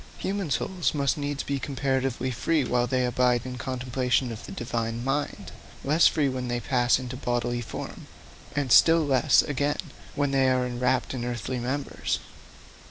Human souls must needs be comparatively free while they abide in the contemplation of the Divine mind, less free when they pass into bodily form, and still less, again, when they are enwrapped in earthly members.